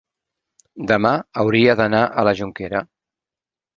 demà hauria d'anar a la Jonquera.